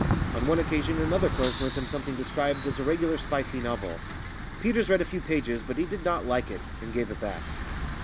On one occasion another clerk lent him something described as a regular spicy novel. Peters read a few pages, but he did not like it, and gave it back.